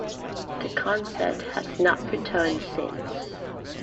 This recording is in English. The concert has not returned since.